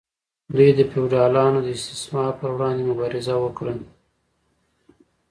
دوی د فیوډالانو د استثمار پر وړاندې مبارزه وکړه.